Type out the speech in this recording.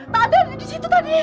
tak ada di situ tadi